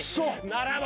ならば」